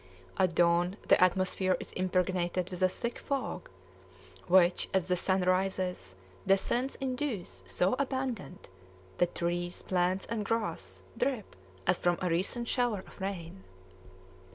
At dawn the atmosphere is impregnated with a thick fog, which, as the sun rises, descends in dews so abundant that trees, plants, and grass drip as from a recent shower of rain.